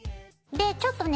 でちょっとね